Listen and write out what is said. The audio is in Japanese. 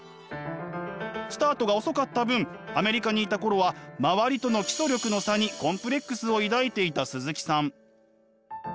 スタートが遅かった分アメリカにいた頃は周りとの基礎力の差にコンプレックスを抱いていた鈴木さん。